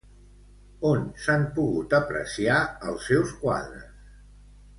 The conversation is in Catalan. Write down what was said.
On s'han pogut apreciar els seus quadres?